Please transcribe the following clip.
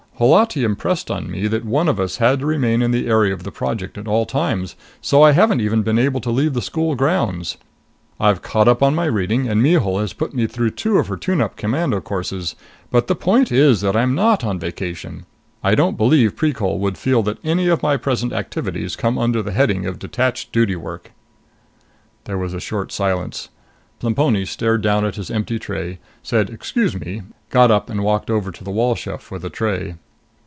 Holati impressed on me that one of us had to remain in the area of the Project at all times, so I haven't even been able to leave the school grounds. I've caught up with my reading, and Mihul has put me through two of her tune up commando courses. But the point is that I'm not on vacation. I don't believe Precol would feel that any of my present activities come under the heading of detached duty work!" There was a short silence. Plemponi stared down at his empty tray, said, "Excuse me," got up and walked over to the wall chef with the tray.